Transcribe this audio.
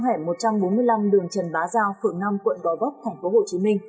nằm trong hẻm một trăm bốn mươi năm đường trần bá giao phường năm quận gòi bốc tp hcm